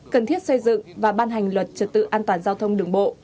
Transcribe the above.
cần thiết xây dựng và ban hành luật trật tự an toàn giao thông đường bộ